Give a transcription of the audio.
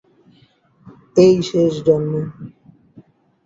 এই শেষ জন্ম।